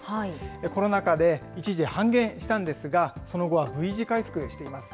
コロナ禍で一時半減したんですが、その後はＶ字回復しています。